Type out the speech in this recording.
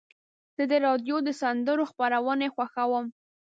زه د راډیو د سندرو خپرونې خوښوم.